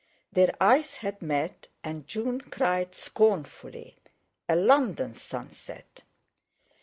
Their eyes had met, and June cried scornfully: "A London sunset!"